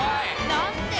何で⁉」